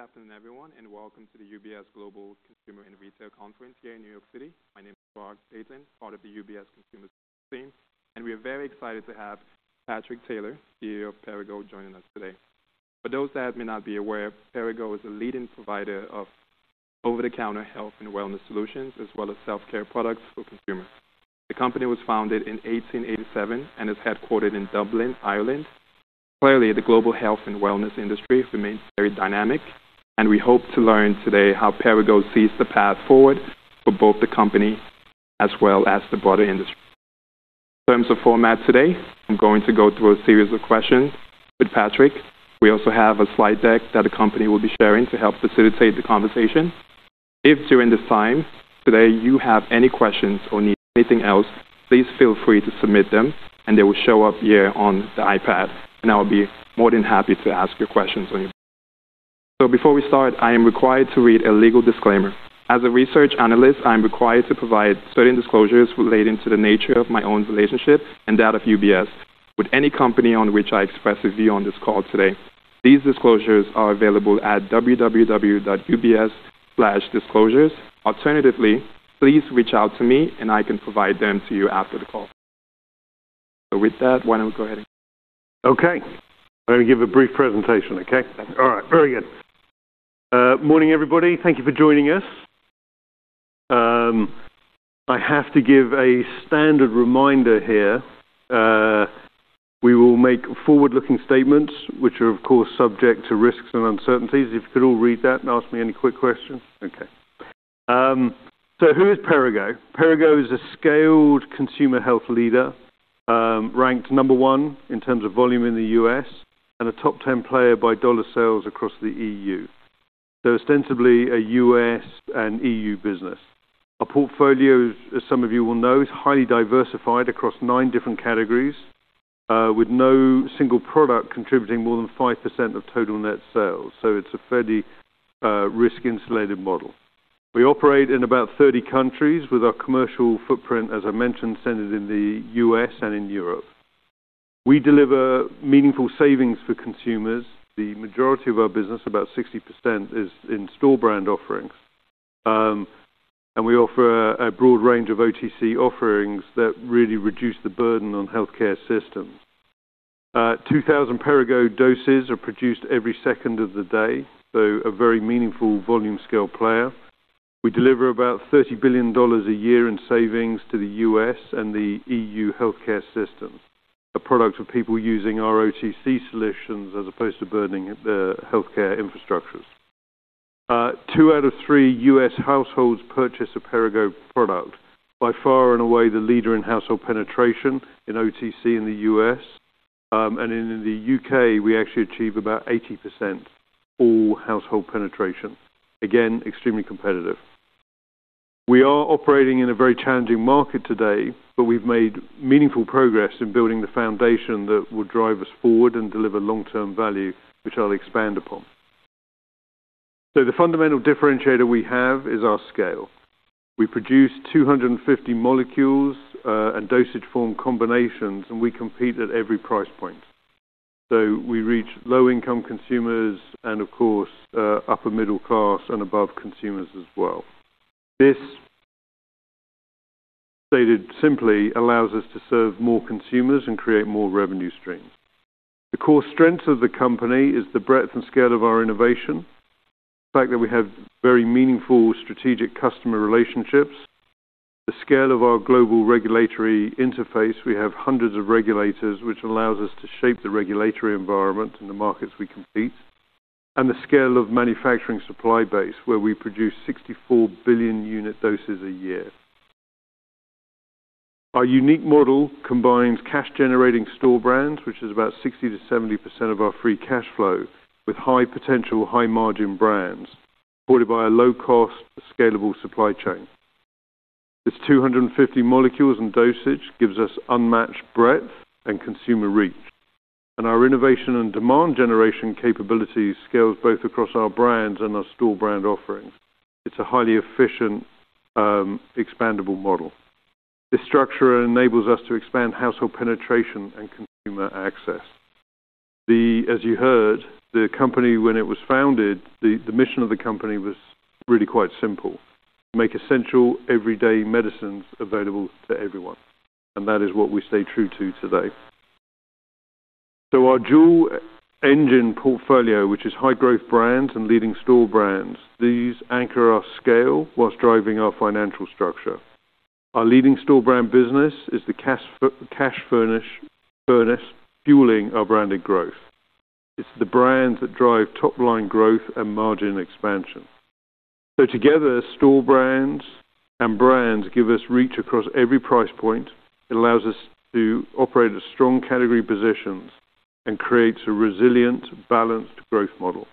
Good afternoon, everyone, and welcome to the UBS Global Consumer and Retail Conference here in New York City. My name is Mark Paton, part of the UBS Consumer team, and we are very excited to have Patrick Taylor, CEO of Perrigo, joining us today. For those that may not be aware, Perrigo is a leading provider of over-the-counter health and wellness solutions as well as self-care products for consumers. The company was founded in 1887 and is headquartered in Dublin, Ireland. Clearly, the global health and wellness industry remains very dynamic, and we hope to learn today how Perrigo sees the path forward for both the company as well as the broader industry. In terms of format today, I'm going to go through a series of questions with Patrick. We also have a slide deck that the company will be sharing to help facilitate the conversation. If during this time today you have any questions or need anything else, please feel free to submit them and they will show up here on the iPad, and I'll be more than happy to ask your questions on your behalf. Before we start, I am required to read a legal disclaimer. As a research analyst, I'm required to provide certain disclosures relating to the nature of my own relationship and that of UBS with any company on which I express a view on this call today. These disclosures are available at www.ubs.com/disclosures. Alternatively, please reach out to me and I can provide them to you after the call. With that, why don't we go ahead and get started. Okay. Let me give a brief presentation, okay? Absolutely. All right, very good. Morning, everybody. Thank you for joining us. I have to give a standard reminder here. We will make forward-looking statements which are of course, subject to risks and uncertainties. If you could all read that and ask me any quick questions. Okay. Who is Perrigo? Perrigo is a scaled consumer health leader, ranked number one in terms of volume in the U.S. and a top 10 player by dollar sales across the E.U. Ostensibly a U.S. and E.U. business. Our portfolio, as some of you will know, is highly diversified across nine different categories, with no single product contributing more than 5% of total net sales. It's a fairly, risk-insulated model. We operate in about 30 countries with our commercial footprint, as I mentioned, centered in the U.S. and in Europe. We deliver meaningful savings for consumers. The majority of our business, about 60%, is in store brand offerings. We offer a broad range of OTC offerings that really reduce the burden on healthcare systems. 2,000 Perrigo doses are produced every second of the day, so a very meaningful volume scale player. We deliver about $30 billion a year in savings to the U.S. and the E.U. healthcare system, a product of people using our OTC solutions as opposed to burdening the healthcare infrastructures. Two out of three U.S. households purchase a Perrigo product. By far and away, the leader in household penetration in OTC in the U.S. In the U.K., we actually achieve about 80% all household penetration. Again, extremely competitive. We are operating in a very challenging market today, but we've made meaningful progress in building the foundation that will drive us forward and deliver long-term value, which I'll expand upon. The fundamental differentiator we have is our scale. We produce 250 molecules, and dosage form combinations, and we compete at every price point. We reach low-income consumers and of course, upper middle class and above consumers as well. This, stated simply, allows us to serve more consumers and create more revenue streams. The core strength of the company is the breadth and scale of our innovation. The fact that we have very meaningful strategic customer relationships. The scale of our global regulatory interface. We have hundreds of regulators, which allows us to shape the regulatory environment in the markets we compete. The scale of manufacturing supply base, where we produce 64 billion unit doses a year. Our unique model combines cash-generating store brands, which is about 60%-70% of our free cash flow, with high potential high-margin brands, supported by a low-cost, scalable supply chain. This 250 molecules and dosage gives us unmatched breadth and consumer reach. Our innovation and demand generation capabilities scales both across our brands and our store brand offerings. It's a highly efficient, expandable model. This structure enables us to expand household penetration and consumer access. As you heard, the company when it was founded, the mission of the company was really quite simple. To make essential everyday medicines available to everyone. That is what we stay true to today. Our dual engine portfolio, which is high-growth brands and leading store brands. These anchor our scale while driving our financial structure. Our leading store brand business is the cash furnace, fueling our branded growth. It's the brands that drive top-line growth and margin expansion. Together, store brands and brands give us reach across every price point. It allows us to operate a strong category positions and creates a resilient, balanced growth model.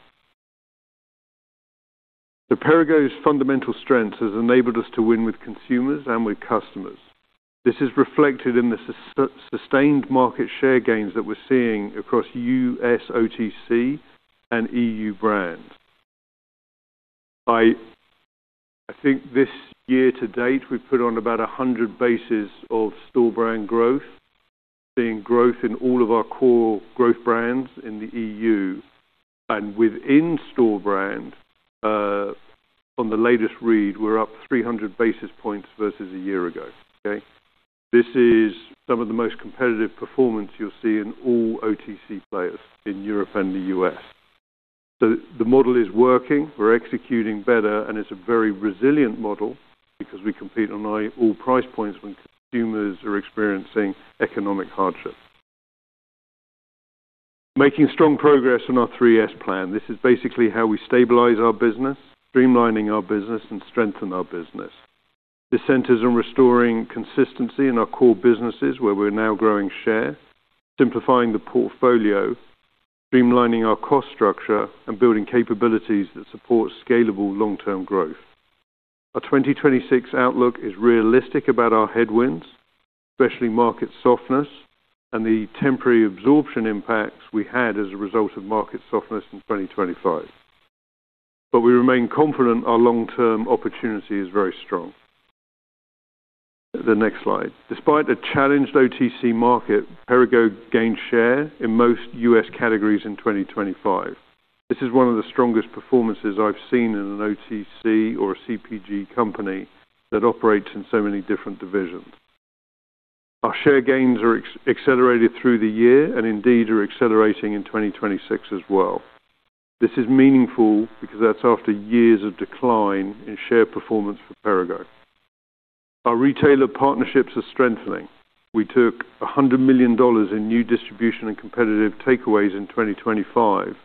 Perrigo's fundamental strength has enabled us to win with consumers and with customers. This is reflected in the sustained market share gains that we're seeing across U.S. OTC and EU brands. I think this year to date, we've put on about 100 basis points of store brand growth, seeing growth in all of our core growth brands in the EU. Within store brand, from the latest read, we're up 300 basis points versus a year ago. Okay. This is some of the most competitive performance you'll see in all OTC players in Europe and the U.S. The model is working, we're executing better, and it's a very resilient model because we compete on all price points when consumers are experiencing economic hardship. Making strong progress on our Three-S plan. This is basically how we stabilize our business, streamlining our business, and strengthen our business. This centers on restoring consistency in our core businesses where we're now growing share, simplifying the portfolio, streamlining our cost structure, and building capabilities that support scalable long-term growth. Our 2026 outlook is realistic about our headwinds, especially market softness and the temporary absorption impacts we had as a result of market softness in 2025. We remain confident our long-term opportunity is very strong. The next slide. Despite a challenged OTC market, Perrigo gained share in most U.S. categories in 2025. This is one of the strongest performances I've seen in an OTC or a CPG company that operates in so many different divisions. Our share gains are accelerated through the year and indeed are accelerating in 2026 as well. This is meaningful because that's after years of decline in share performance for Perrigo. Our retailer partnerships are strengthening. We took $100 million in new distribution and competitive takeaways in 2025,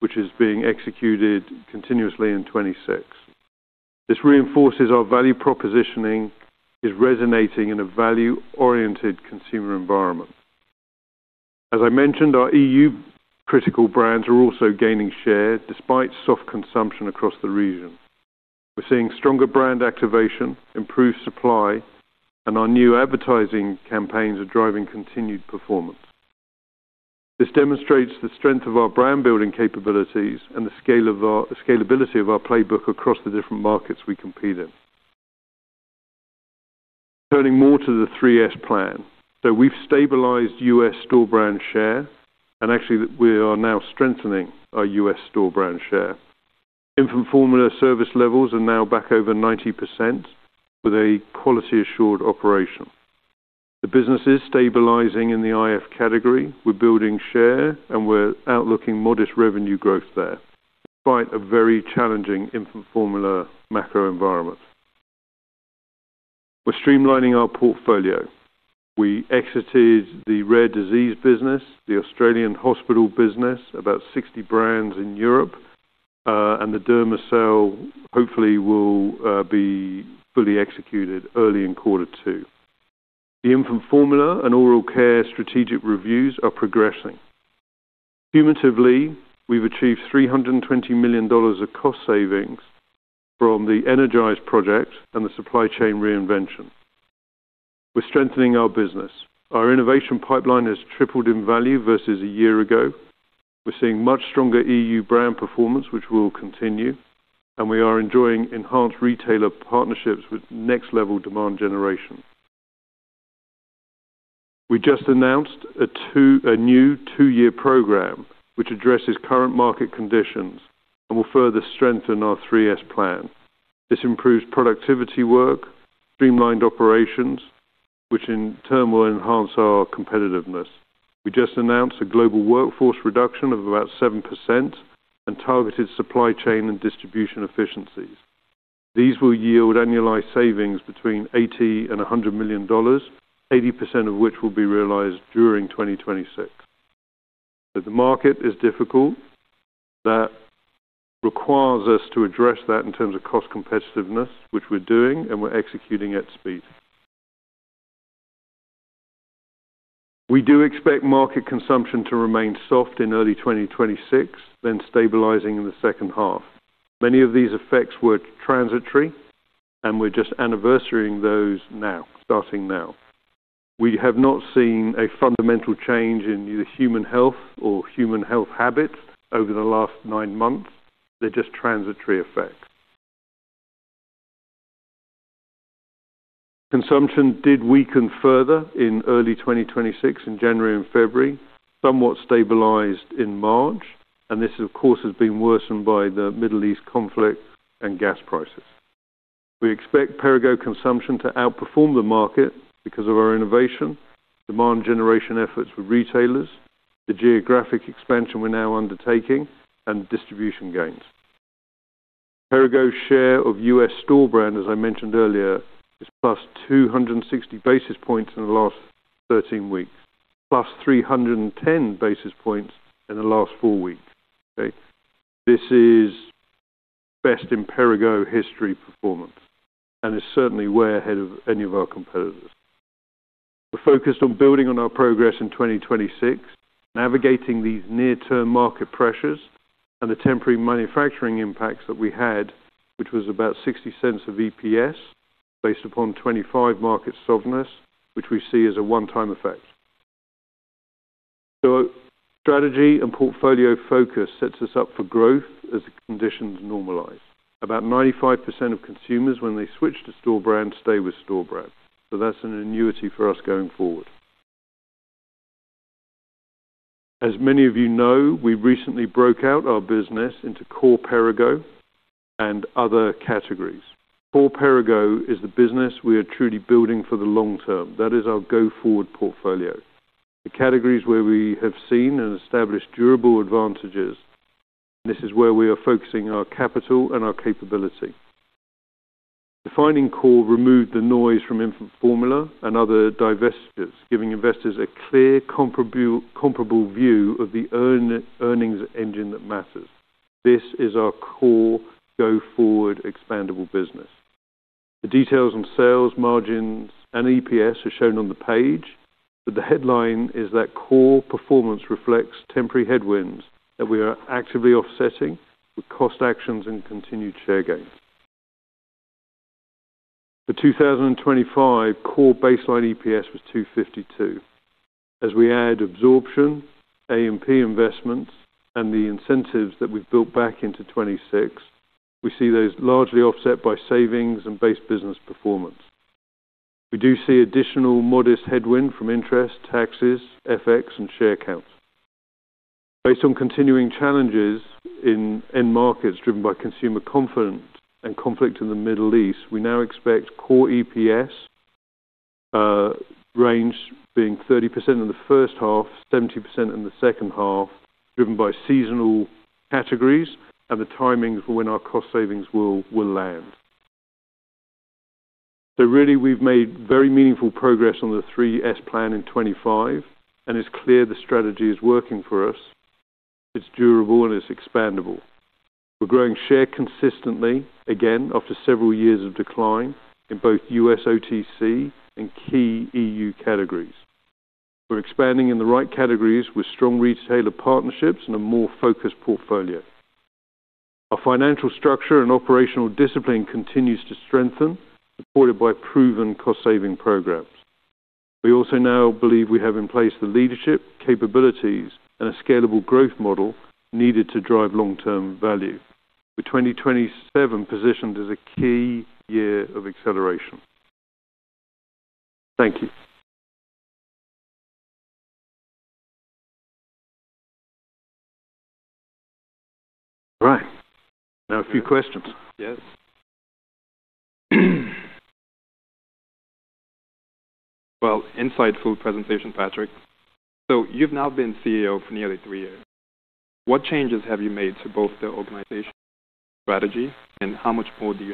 which is being executed continuously in 2026. This reinforces our value proposition is resonating in a value-oriented consumer environment. As I mentioned, our EU critical brands are also gaining share despite soft consumption across the region. We're seeing stronger brand activation, improved supply, and our new advertising campaigns are driving continued performance. This demonstrates the strength of our brand building capabilities and the scalability of our playbook across the different markets we compete in. Turning more to the Three-S plan. We've stabilized U.S. store brand share, and actually we are now strengthening our U.S. store brand share. Infant formula service levels are now back over 90% with a quality assured operation. The business is stabilizing in the IF category. We're building share, and we're outlooking modest revenue growth there despite a very challenging infant formula macro environment. We're streamlining our portfolio. We exited the Rare Diseases business, the Australian hospital business, about 60 brands in Europe, and the Dermaso hopefully will be fully executed early in quarter two. The infant formula and oral care strategic reviews are progressing. Cumulatively, we've achieved $320 million of cost savings from Project Energize and the supply chain reinvention. We're strengthening our business. Our innovation pipeline has tripled in value versus a year ago. We're seeing much stronger EU brand performance, which will continue, and we are enjoying enhanced retailer partnerships with next level demand generation. We just announced a new two-year program which addresses current market conditions and will further strengthen our Three-S plan. This improves productivity work, streamlined operations, which in turn will enhance our competitiveness. We just announced a global workforce reduction of about 7% and targeted supply chain and distribution efficiencies. These will yield annualized savings between $80 and $100 million, 80% of which will be realized during 2026. The market is difficult. That requires us to address that in terms of cost competitiveness, which we're doing, and we're executing at speed. We do expect market consumption to remain soft in early 2026, then stabilizing in the second half. Many of these effects were transitory, and we're just anniversarying those now, starting now. We have not seen a fundamental change in either human health or human health habits over the last nine months. They're just transitory effects. Consumption did weaken further in early 2026 in January and February, somewhat stabilized in March. This, of course, has been worsened by the Middle East conflict and gas prices. We expect Perrigo consumption to outperform the market because of our innovation, demand generation efforts with retailers, the geographic expansion we're now undertaking, and distribution gains. Perrigo's share of US store brand, as I mentioned earlier, is +260 basis points in the last 13 weeks, +310 basis points in the last four weeks. Okay. This is best in Perrigo history performance, and is certainly way ahead of any of our competitors. We're focused on building on our progress in 2026, navigating these near-term market pressures and the temporary manufacturing impacts that we had, which was about $0.60 EPS based upon 25% market softness, which we see as a one-time effect. Strategy and portfolio focus sets us up for growth as the conditions normalize. About 95% of consumers when they switch to store brand, stay with store brand. So that's an annuity for us going forward. As many of you know, we recently broke out our business into core Perrigo and other categories. Core Perrigo is the business we are truly building for the long term. That is our go-forward portfolio. The categories where we have seen and established durable advantages, and this is where we are focusing our capital and our capability. Defining core removed the noise from infant formula and other divestitures, giving investors a clear comparable view of the earnings engine that matters. This is our core go forward expandable business. The details on sales, margins, and EPS are shown on the page, but the headline is that core performance reflects temporary headwinds that we are actively offsetting with cost actions and continued share gains. The 2025 core baseline EPS was $2.52. As we add absorption, A&P investments, and the incentives that we've built back into 2026, we see those largely offset by savings and base business performance. We do see additional modest headwind from interest, taxes, FX, and share counts. Based on continuing challenges in end markets driven by consumer confidence and conflict in the Middle East, we now expect core EPS range being 30% in the first half, 70% in the second half, driven by seasonal categories and the timing for when our cost savings will land. Really, we've made very meaningful progress on the Three-S plan in 2025, and it's clear the strategy is working for us. It's durable and it's expandable. We're growing share consistently, again, after several years of decline in both U.S. OTC and key EU categories. We're expanding in the right categories with strong retailer partnerships and a more focused portfolio. Our financial structure and operational discipline continues to strengthen, supported by proven cost-saving programs. We also now believe we have in place the leadership, capabilities, and a scalable growth model needed to drive long-term value. The 2027 positioned as a key year of acceleration. Thank you. All right. Now a few questions. Yes. Well, insightful presentation, Patrick. You've now been CEO for nearly three years. What changes have you made to both the organizational strategy, and how much more do you?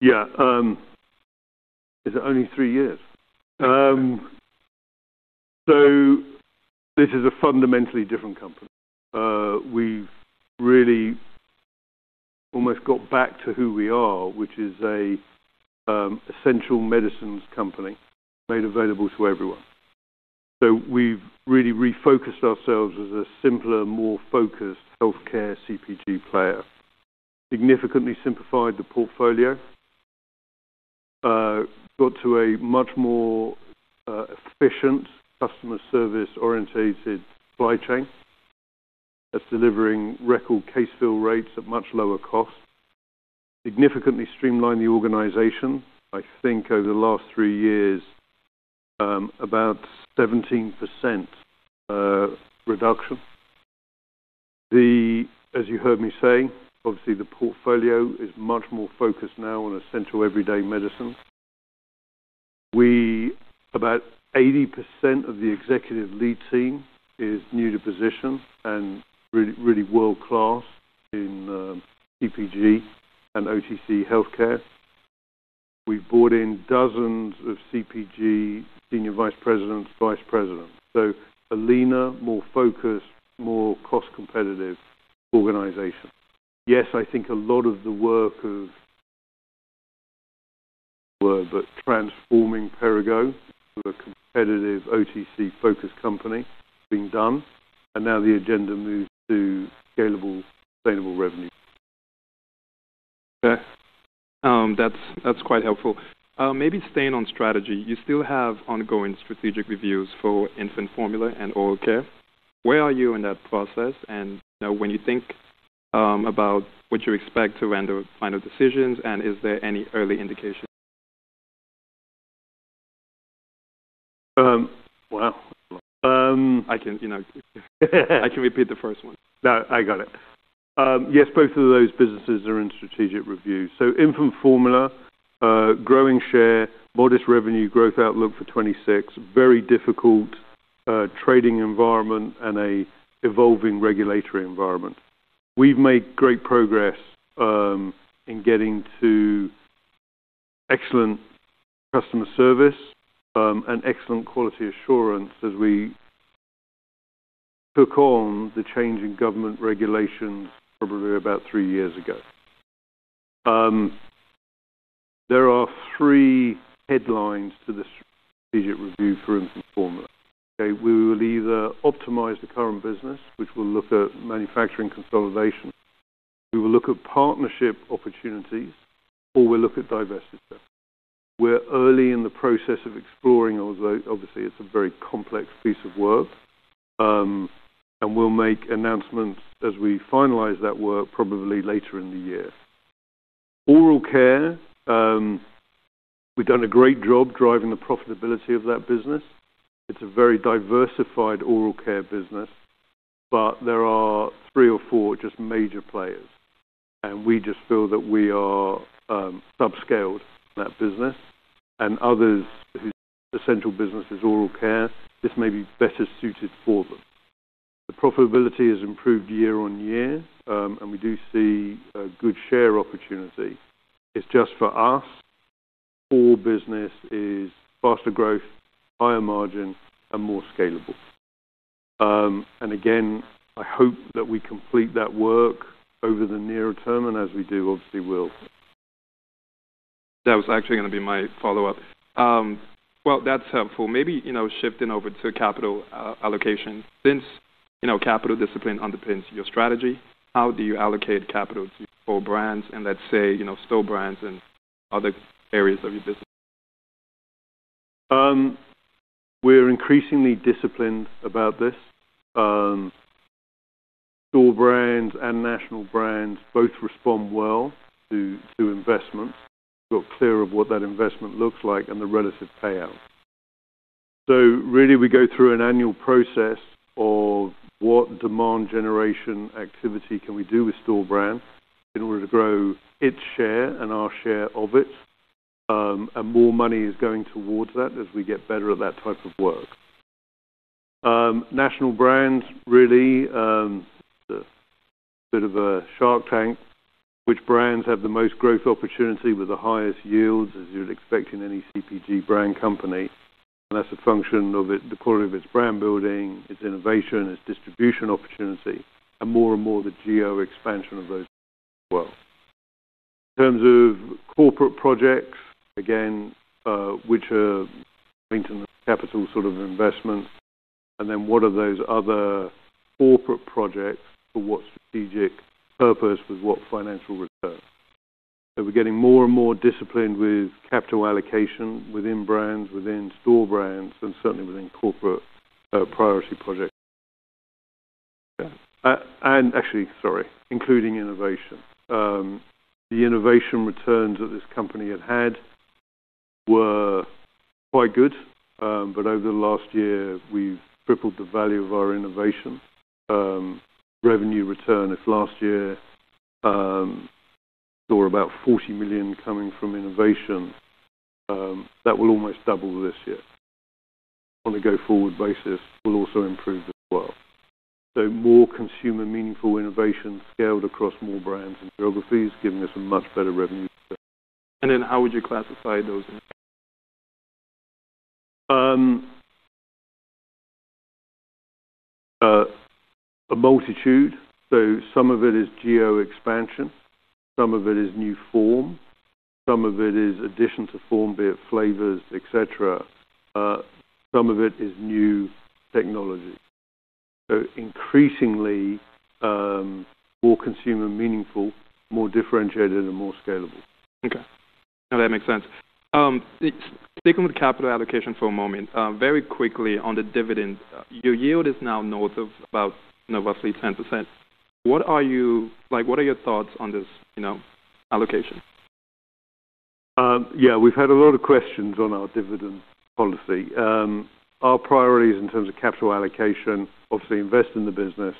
Yeah. Is it only three years. This is a fundamentally different company. We've really almost got back to who we are, which is a essential medicines company made available to everyone. We've really refocused ourselves as a simpler, more focused healthcare CPG player. Significantly simplified the portfolio, got to a much more efficient customer service-oriented supply chain that's delivering record case fill rates at much lower cost. Significantly streamlined the organization. I think over the last three years, about 17% reduction. As you heard me say, obviously the portfolio is much more focused now on essential everyday medicine. About 80% of the executive lead team is new to position and really world-class in CPG and OTC healthcare. We've brought in dozens of CPG Senior Vice Presidents, Vice Presidents. A leaner, more focused, more cost-competitive organization. Yes, I think a lot of the work of word, but transforming Perrigo to a competitive OTC-focused company being done, and now the agenda moves to scalable, sustainable revenue. Okay. That's quite helpful. Maybe staying on strategy, you still have ongoing strategic reviews for infant formula and oral care. Where are you in that process? You know, when you think about what you expect to render final decisions, and is there any early indication? Wow. I can repeat the first one. No, I got it. Yes, both of those businesses are in strategic review. Infant formula, growing share, modest revenue growth outlook for 2026, very difficult trading environment and an evolving regulatory environment. We've made great progress in getting to excellent customer service and excellent quality assurance as we took on the change in government regulations probably about three years ago. There are three headlines to the strategic review for infant formula. We will either optimize the current business, which will look at manufacturing consolidation. We will look at partnership opportunities, or we'll look at divestiture. We're early in the process of exploring, although obviously, it's a very complex piece of work. We'll make announcements as we finalize that work probably later in the year. Oral care, we've done a great job driving the profitability of that business. It's a very diversified oral care business, but there are three or four just major players, and we just feel that we are subscaled in that business. Others whose central business is oral care, this may be better suited for them. The profitability has improved year-over-year, and we do see a good share opportunity. It's just for us, core business is faster growth, higher margin, and more scalable. Again, I hope that we complete that work over the nearer term, and as we do, obviously, we'll. That was actually gonna be my follow-up. Well, that's helpful. Maybe, you know, shifting over to capital allocation. Since, you know, capital discipline underpins your strategy, how do you allocate capital to your core brands and let's say, you know, store brands and other areas of your business? We're increasingly disciplined about this. Store brands and national brands both respond well to investments. Got clear on what that investment looks like and the relative payout. Really, we go through an annual process of what demand generation activity can we do with store brands in order to grow its share and our share of it. More money is going towards that as we get better at that type of work. National brands, really, it's a bit of a shark tank, which brands have the most growth opportunity with the highest yields, as you'd expect in any CPG brand company. That's a function of it, the quality of its brand building, its innovation, its distribution opportunity, and more and more the geo expansion of those as well. In terms of corporate projects, again, which are maintenance capital sort of investments, and then what are those other corporate projects for what strategic purpose with what financial return? We're getting more and more disciplined with capital allocation within brands, within store brands, and certainly within corporate, priority projects. Yeah. Actually, sorry, including innovation. The innovation returns that this company had had were quite good. Over the last year, we've tripled the value of our innovation revenue return. If last year saw about $40 million coming from innovation, that will almost double this year. On a go-forward basis, will also improve as well. More consumer meaningful innovation scaled across more brands and geographies, giving us a much better revenue return. How would you classify those in? A multitude. Some of it is geo expansion, some of it is new form, some of it is addition to form, be it flavors, et cetera. Some of it is new technology. Increasingly, more consumer meaningful, more differentiated, and more scalable. Okay. No, that makes sense. Sticking with capital allocation for a moment, very quickly on the dividend, your yield is now north of about roughly 10%. Like, what are your thoughts on this, you know, allocation? Yeah, we've had a lot of questions on our dividend policy. Our priorities in terms of capital allocation, obviously, invest in the business.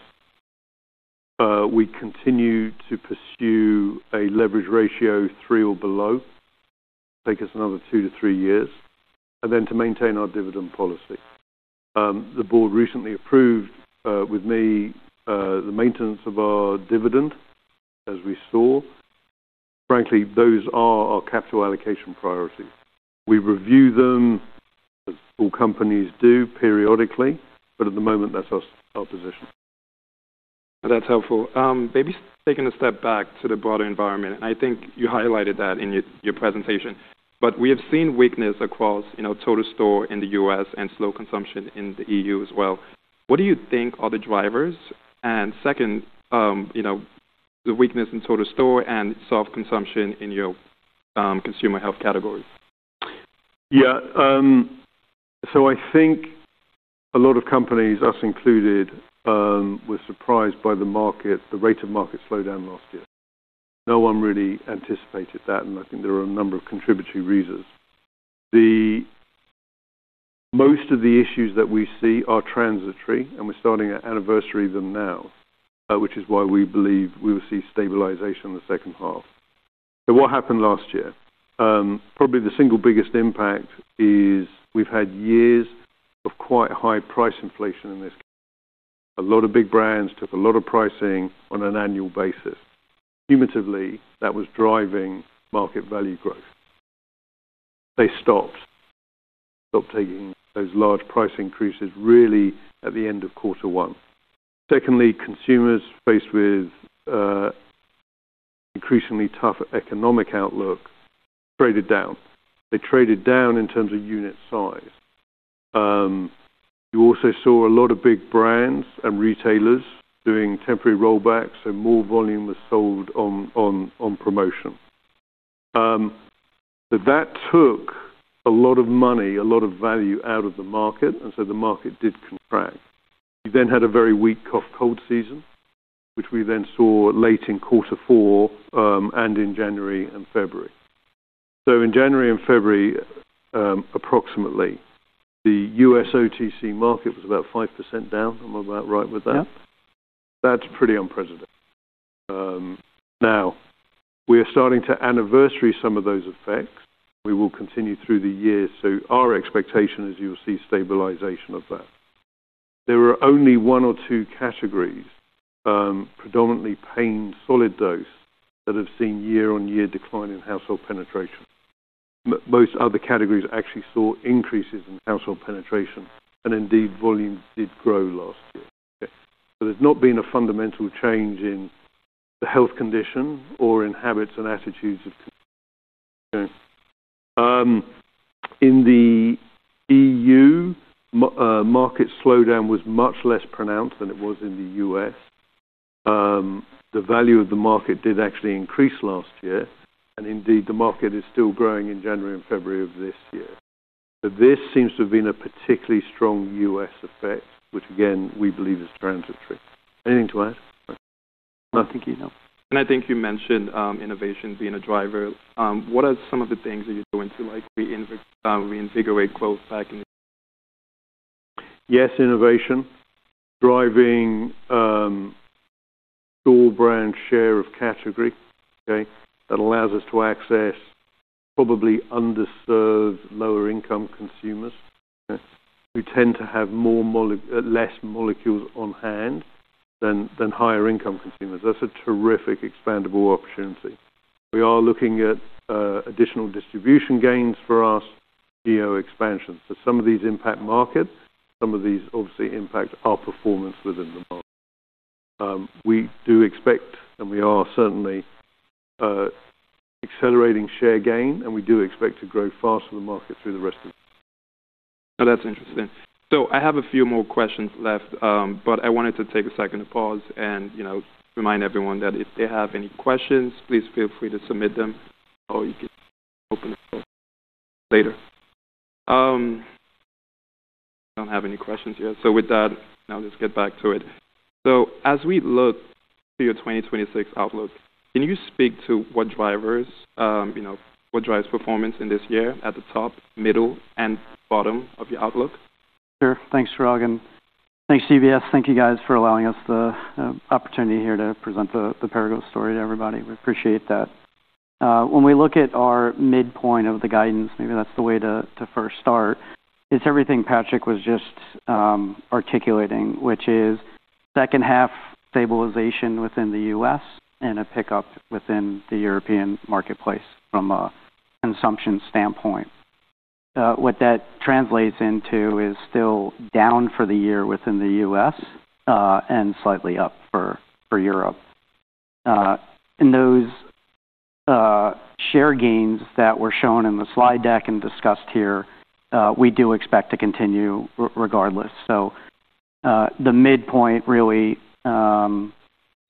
We continue to pursue a leverage ratio three or below, take us another two-three years, and then to maintain our dividend policy. The board recently approved, with me, the maintenance of our dividend as we saw. Frankly, those are our capital allocation priorities. We review them, as all companies do periodically, but at the moment, that's our position. That's helpful. Maybe taking a step back to the broader environment, and I think you highlighted that in your presentation. We have seen weakness across, you know, total store in the US and slow consumption in the EU as well. What do you think are the drivers? Second, you know, the weakness in total store and soft consumption in your consumer health categories? Yeah, I think a lot of companies, us included, were surprised by the market, the rate of market slowdown last year. No one really anticipated that, and I think there are a number of contributing reasons. Most of the issues that we see are transitory, and we're starting to anniversary them now, which is why we believe we will see stabilization in the second half. What happened last year? Probably the single biggest impact is we've had years of quite high price inflation in this space. A lot of big brands took a lot of pricing on an annual basis. Cumulatively, that was driving market value growth. They stopped taking those large price increases, really at the end of quarter one. Secondly, consumers faced with increasingly tough economic outlook traded down. They traded down in terms of unit size. You also saw a lot of big brands and retailers doing temporary rollbacks, and more volume was sold on promotion. But that took a lot of money, a lot of value out of the market, and so the market did contract. We then had a very weak cough, cold season, which we then saw late in quarter four, and in January and February. In January and February, approximately, the U.S. OTC market was about 5% down. Am I about right with that? That's pretty unprecedented. Now we are starting to anniversary some of those effects. We will continue through the year. Our expectation is you'll see stabilization of that. There are only one or two categories, predominantly pain, solid dose, that have seen year-on-year decline in household penetration. Most other categories actually saw increases in household penetration, and indeed, volume did grow last year. There's not been a fundamental change in the health condition or in habits and attitudes of consumers. In the E.U., market slowdown was much less pronounced than it was in the U.S. The value of the market did actually increase last year, and indeed, the market is still growing in January and February of this year. This seems to have been a particularly strong U.S. effect, which again, we believe is transitory. Anything to add? No, I think you know. I think you mentioned, innovation being a driver. What are some of the things that you're going to like reinvigorate growth back in? Yes, innovation, driving store brand share of category, okay, that allows us to access probably underserved lower-income consumers, who tend to have less molecules on hand than higher income consumers. That's a terrific expandable opportunity. We are looking at additional distribution gains for us, geo expansion. Some of these impact markets, some of these obviously impact our performance within the market. We do expect, and we are certainly accelerating share gain, and we do expect to grow faster than market through the rest of the year. Now, that's interesting. I have a few more questions left, but I wanted to take a second to pause and, you know, remind everyone that if they have any questions, please feel free to submit them, or you can open the floor later. I don't have any questions yet. With that, now let's get back to it. As we look to your 2026 outlook, can you speak to what drivers, you know, what drives performance in this year at the top, middle, and bottom of your outlook? Sure. Thanks, Thanks, UBS. Thank you guys for allowing us the opportunity here to present the Perrigo story to everybody. We appreciate that. When we look at our midpoint of the guidance, maybe that's the way to first start, it's everything Patrick was just articulating, which is second half stabilization within the U.S. and a pickup within the European marketplace from a consumption standpoint. What that translates into is still down for the year within the U.S., and slightly up for Europe. Those share gains that were shown in the slide deck and discussed here, we do expect to continue regardless. The midpoint really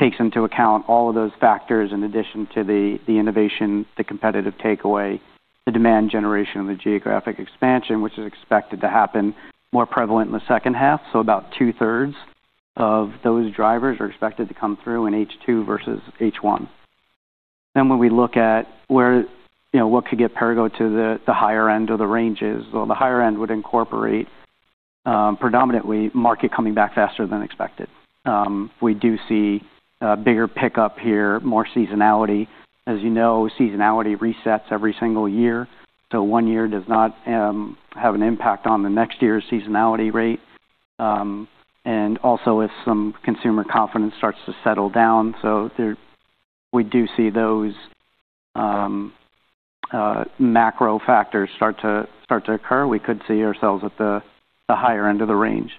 takes into account all of those factors in addition to the innovation, the competitive takeaway, the demand generation, and the geographic expansion, which is expected to happen more prevalent in the second half. About 2/3 of those drivers are expected to come through in H2 versus H1. When we look at where, you know, what could get Perrigo to the higher end of the ranges. Well, the higher end would incorporate predominantly market coming back faster than expected. We do see a bigger pickup here, more seasonality. As you know, seasonality resets every single year. One year does not have an impact on the next year's seasonality rate. Also if some consumer confidence starts to settle down. There we do see those macro factors start to occur. We could see ourselves at the higher end of the range.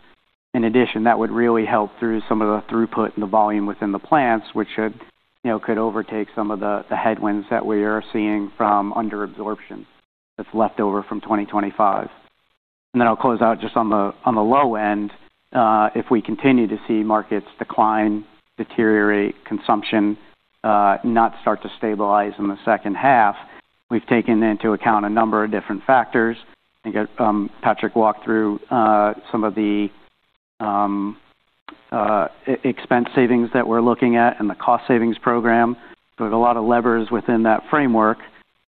In addition, that would really help through some of the throughput and the volume within the plants, which should, you know, could overtake some of the headwinds that we are seeing from under absorption that's left over from 2025. I'll close out just on the low end, if we continue to see markets decline, deteriorate, consumption not start to stabilize in the second half, we've taken into account a number of different factors. I think Patrick Taylor walked through some of the expense savings that we're looking at and the cost savings program. There's a lot of levers within that framework,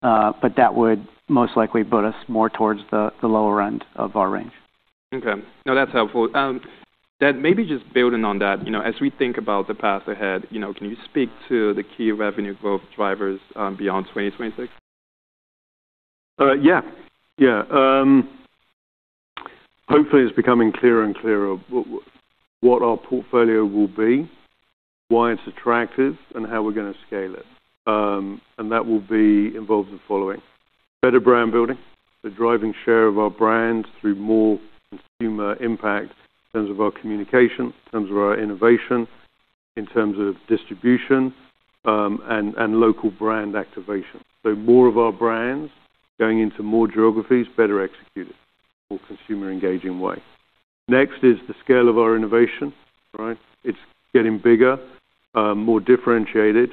but that would most likely put us more towards the lower end of our range. Okay. No, that's helpful. Maybe just building on that, you know, as we think about the path ahead, you know, can you speak to the key revenue growth drivers beyond 2026? Yeah. Yeah. Hopefully, it's becoming clearer and clearer what our portfolio will be, why it's attractive, and how we're gonna scale it. That will involve the following. Better brand building, so driving share of our brand through more consumer impact in terms of our communication, in terms of our innovation. In terms of distribution, and local brand activation. More of our brands going into more geographies, better executed, more consumer engaging way. Next is the scale of our innovation, right? It's getting bigger, more differentiated,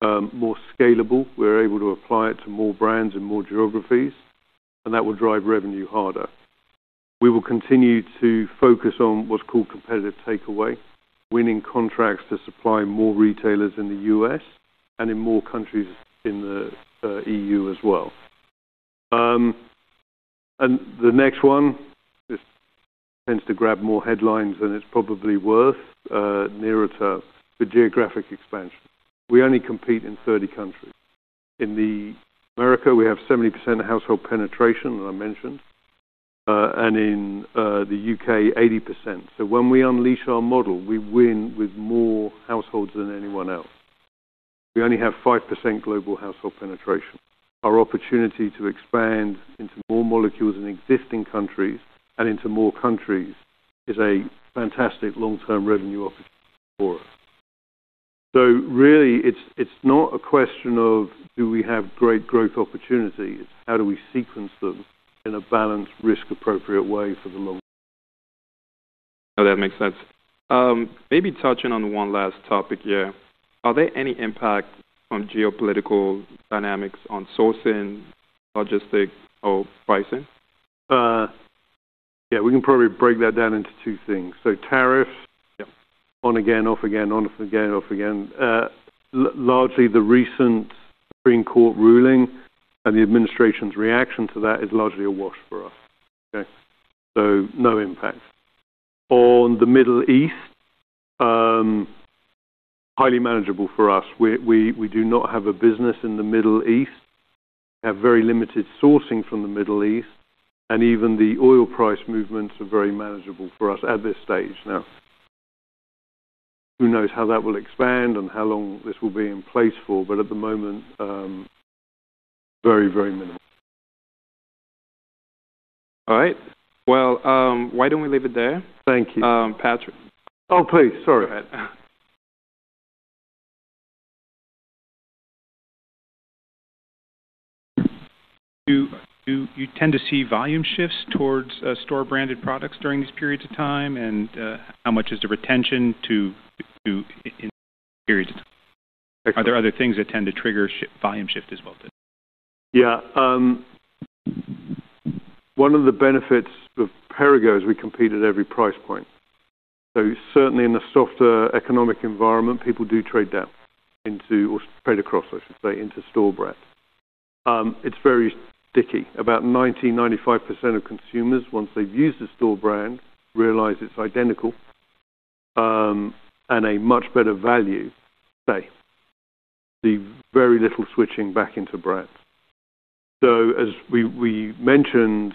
more scalable. We're able to apply it to more brands and more geographies, and that will drive revenue harder. We will continue to focus on what's called competitive takeaway, winning contracts to supply more retailers in the U.S. and in more countries in the EU as well. The next one, this tends to grab more headlines than it's probably worth, near term, the geographic expansion. We only compete in 30 countries. In America, we have 70% household penetration, as I mentioned, and in the U.K., 80%. So when we unleash our model, we win with more households than anyone else. We only have 5% global household penetration. Our opportunity to expand into more molecules in existing countries and into more countries is a fantastic long-term revenue opportunity for us. So really, it's not a question of do we have great growth opportunities, how do we sequence them in a balanced risk appropriate way for the long. No, that makes sense. Maybe touching on one last topic here. Are there any impact on geopolitical dynamics on sourcing, logistics or pricing? Yeah, we can probably break that down into two things. Tariffs- Yeah. On again, off again, on again, off again. Largely, the recent Supreme Court ruling and the administration's reaction to that is largely a wash for us. Okay? No impact. On the Middle East, highly manageable for us. We do not have a business in the Middle East, have very limited sourcing from the Middle East, and even the oil price movements are very manageable for us at this stage. Now, who knows how that will expand and how long this will be in place for, but at the moment, very minimal. All right. Well, why don't we leave it there? Thank you. Patrick. Oh, please. Sorry. Go ahead. Do you tend to see volume shifts towards store brand products during these periods of time? How much is the retention to in periods of time? Excellent. Are there other things that tend to trigger volume shift as well then? Yeah. One of the benefits of Perrigo is we compete at every price point. Certainly in a softer economic environment, people do trade down into or trade across, I should say, into store brands. It's very sticky. About 90-95% of consumers, once they've used a store brand, realize it's identical and a much better value, say. We see very little switching back into brands. As we mentioned,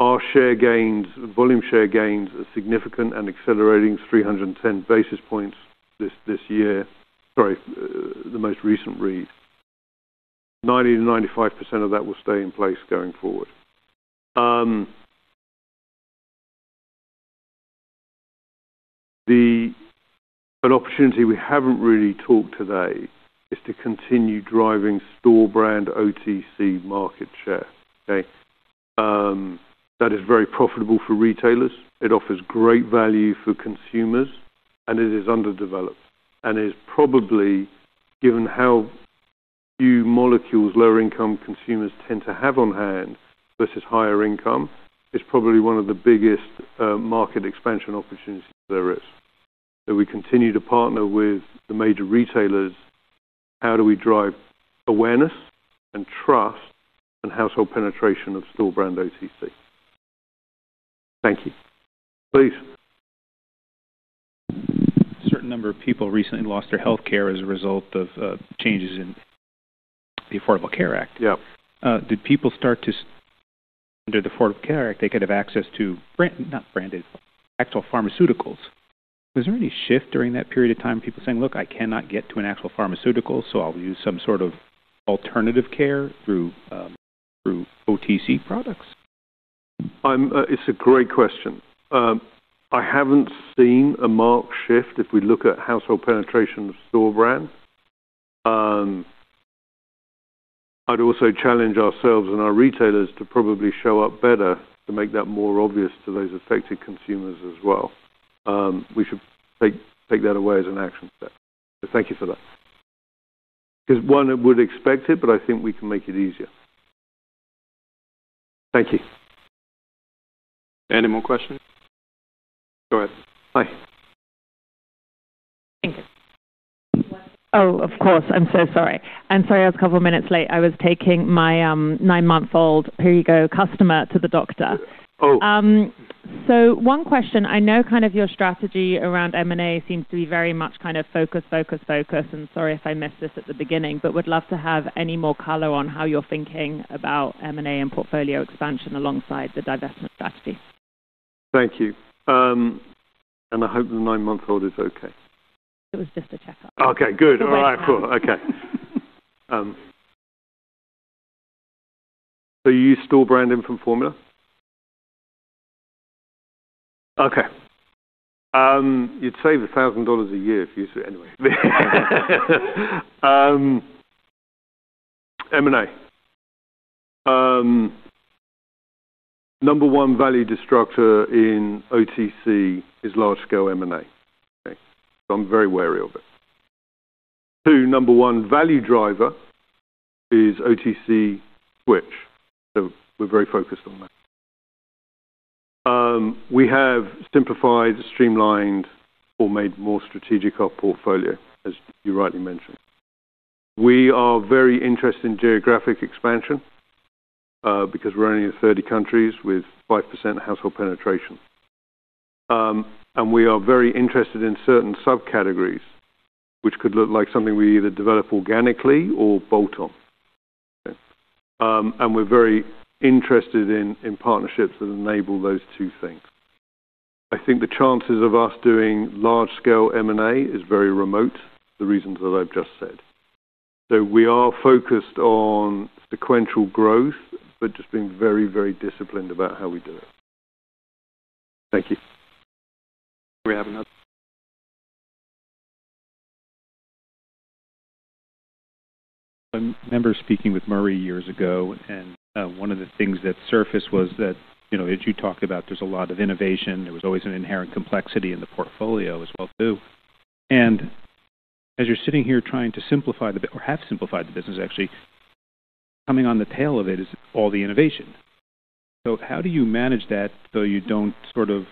our share gains, volume share gains are significant and accelerating 310 basis points this year. Sorry, the most recent read. 90-95% of that will stay in place going forward. An opportunity we haven't really talked about today is to continue driving store brand OTC market share. Okay? That is very profitable for retailers. It offers great value for consumers, and it is underdeveloped. It is probably, given how few molecules lower income consumers tend to have on hand versus higher income, one of the biggest market expansion opportunities there is. We continue to partner with the major retailers, how do we drive awareness and trust and household penetration of store brand OTC. Thank you. Please. Certain number of people recently lost their health care as a result of changes in the Affordable Care Act. Yeah. Under the Affordable Care Act, they could have access to brand, not branded, actual pharmaceuticals. Was there any shift during that period of time, people saying, "Look, I cannot get to an actual pharmaceutical, so I'll use some sort of alternative care through OTC products"? It's a great question. I haven't seen a marked shift if we look at household penetration of store brand. I'd also challenge ourselves and our retailers to probably show up better to make that more obvious to those affected consumers as well. We should take that away as an action step. Thank you for that. 'Cause one would expect it, but I think we can make it easier. Thank you. Any more questions? Go ahead. Hi. Thank you. Oh, of course. I'm so sorry. I'm sorry I was a couple minutes late. I was taking my nine-month-old Perrigo customer to the doctor. Oh. One question. I know kind of your strategy around M&A seems to be very much kind of focus, and sorry if I missed this at the beginning, but would love to have any more color on how you're thinking about M&A and portfolio expansion alongside the divestment strategy. Thank you. I hope the nine-month-old is okay. It was just a checkup. M&A. Number one value destroyer in OTC is large-scale M&A. Okay? I'm very wary of it. Two, number one value driver is Rx-to-OTC switch. We're very focused on that. We have simplified, streamlined, or made more strategic our portfolio, as you rightly mentioned. We are very interested in geographic expansion, because we're only in 30 countries with 5% household penetration. We are very interested in certain subcategories, which could look like something we either develop organically or bolt on. Okay? We're very interested in partnerships that enable those two things. I think the chances of us doing large-scale M&A is very remote. The reasons that I've just said. We are focused on sequential growth, but just being very, very disciplined about how we do it. Thank you. We have another. I remember speaking with Murray years ago, and one of the things that surfaced was that, you know, as you talked about, there's a lot of innovation. There was always an inherent complexity in the portfolio as well, too. As you're sitting here trying to simplify the biz or have simplified the business, actually, coming on the tail of it is all the innovation. How do you manage that, so you don't sort of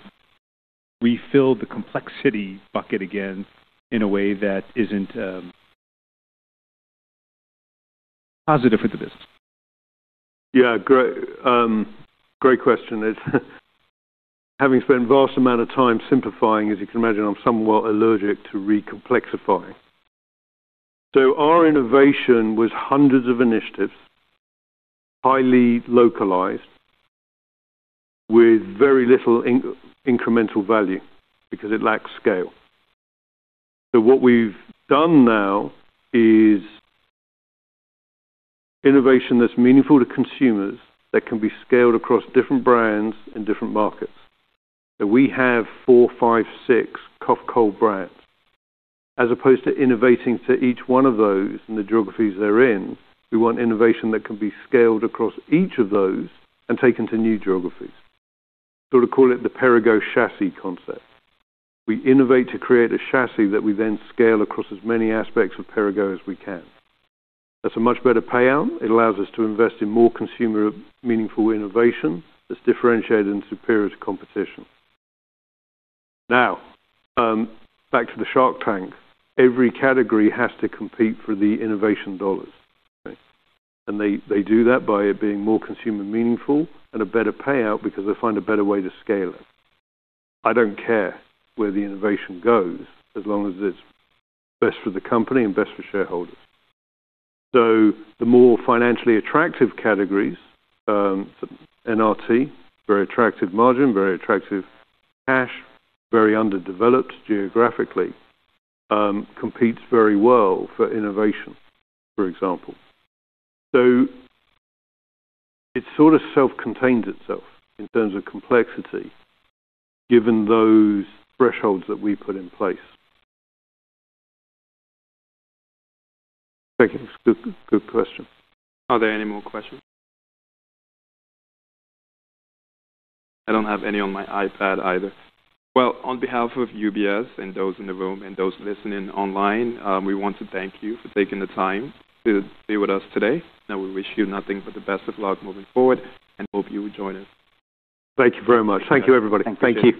refill the complexity bucket again in a way that isn't positive for the business? Great, great question. Having spent vast amount of time simplifying, as you can imagine, I'm somewhat allergic to re-complexifying. Our innovation was hundreds of initiatives, highly localized, with very little incremental value because it lacks scale. What we've done now is innovation that's meaningful to consumers, that can be scaled across different brands and different markets. That we have four, five, six cough cold brands. As opposed to innovating to each one of those in the geographies they're in, we want innovation that can be scaled across each of those and taken to new geographies. We call it the Perrigo chassis concept. We innovate to create a chassis that we then scale across as many aspects of Perrigo as we can. That's a much better payout. It allows us to invest in more consumer meaningful innovation that's differentiated and superior to competition. Now, back to the Shark Tank. Every category has to compete for the innovation dollars, okay? They do that by it being more consumer meaningful and a better payout because they find a better way to scale it. I don't care where the innovation goes as long as it's best for the company and best for shareholders. The more financially attractive categories, NRT, very attractive margin, very attractive cash, very underdeveloped geographically, competes very well for innovation, for example. It sort of self-contains itself in terms of complexity, given those thresholds that we put in place. Thank you. Good, good question. Are there any more questions? I don't have any on my iPad either. Well, on behalf of UBS and those in the room and those listening online, we want to thank you for taking the time to be with us today. We wish you nothing but the best of luck moving forward, and hope you will join us. Thank you very much. Thank you, everybody. Thank you. Thank you.